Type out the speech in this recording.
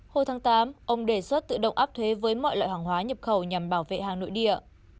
hồi tháng tám ông đề xuất tự động áp thuế với mọi loại hàng hóa nhập khẩu nhằm bảo vệ hàng nội địa